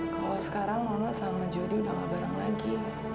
kalau sekarang nona sama jodi udah gak bareng lagi